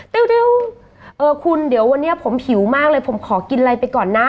ติ๊วคุณเดี๋ยววันนี้ผมหิวมากเลยผมขอกินอะไรไปก่อนนะ